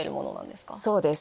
そうです。